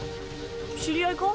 知り合いか？